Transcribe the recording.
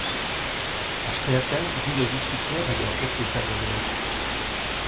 Asteartean giro eguzkitsua baina hotza izango dugu.